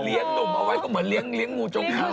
เหลี้ยงนมเอาไว้ก็เหมือนเหลี้ยงงูจงอา